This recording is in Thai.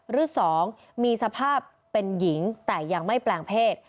หรือ๒มีสภาพเป็นหญิงแต่ยังไม่แปลงเพศ